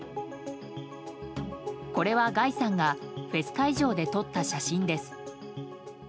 これは、ガイさんがフェス会場で撮った写真です。